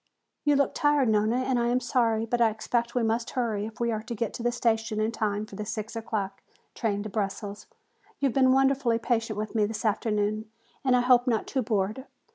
"You look tired, Nona, and I am sorry, but I expect we must hurry if we are to get to the station in time for the six o'clock train to Brussels. You have been wonderfully patient with me this afternoon and I hope not too bored.